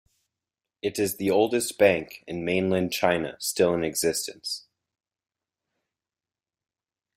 It is the oldest bank in mainland China still in existence.